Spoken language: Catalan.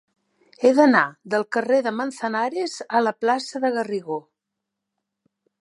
He d'anar del carrer de Manzanares a la plaça de Garrigó.